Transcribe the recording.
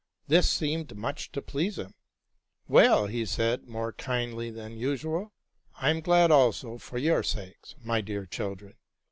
This seemed much to please him. '' Well,'' said he more kindly than usual, ''I am glad also for your sakes, my dear chil dren.